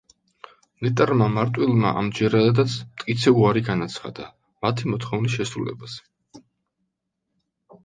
ნეტარმა მარტვილმა ამჯერადაც მტკიცე უარი განაცხადა მათი მოთხოვნის შესრულებაზე.